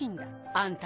あんた